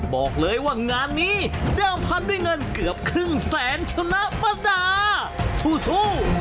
บอกเลยว่างานนี้เดิมพันด้วยเงินเกือบครึ่งแสนชนะประดาสู้